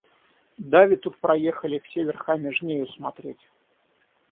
Даве тут проехали все верхами жнею смотреть.